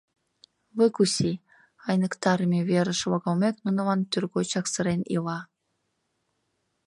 Выкуси! — айныктарыме верыш логалмек, нунылан тӱргочак сырен ила.